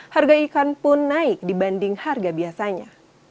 harga ikan pun naik dibanding harga biasanya